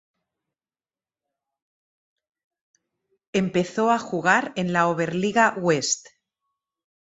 Empezó a jugar en la Oberliga West.